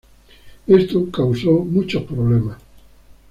Esto causó muchos problemas.